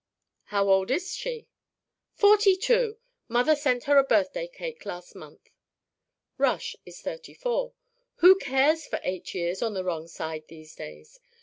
"How old is she " "Forty two. Mother sent her a birthday cake last month." "Rush is thirty four. Who cares for eight years on the wrong side these days?